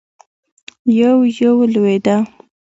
يو- يو لوېده.